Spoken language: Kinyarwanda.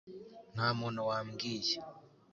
nta muntu wambwiye